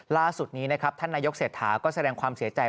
ล่าสุดนี้นะครับท่านนายกเศรษฐาก็แสดงความเสียใจ